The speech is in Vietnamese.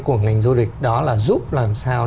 của ngành du lịch đó là giúp làm sao